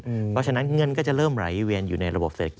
เพราะฉะนั้นเงินก็จะเริ่มไหลเวียนอยู่ในระบบเศรษฐกิจ